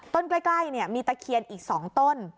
ใกล้มีตะเคียนอีก๒ต้น